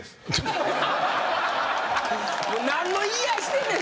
何の言い合いしてんねん！